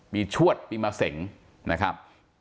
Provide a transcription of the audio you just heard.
มีชวดปีมะเสงนะครับ